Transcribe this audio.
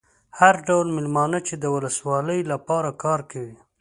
هر ډول مېلمانه چې د ولسوالۍ لپاره کار کوي.